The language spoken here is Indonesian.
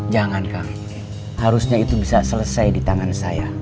jangan kang harusnya itu bisa selesai di tangan saya